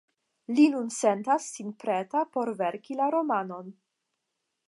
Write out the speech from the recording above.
Li nun sentas sin preta por verki la romanon.